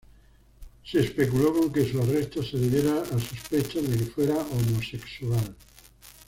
Se especuló con que su arresto se debiera a sospechas de que fuera homosexual.